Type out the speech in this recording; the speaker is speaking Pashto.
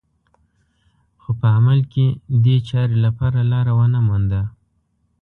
خو په عمل کې دې چارې لپاره لاره ونه مونده